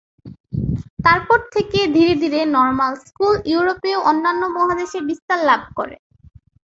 তারপর থেকে ধীরে ধীরে নর্মাল স্কুল ইউরোপে ও অন্যান্য মহাদেশে বিস্তার লাভ করে।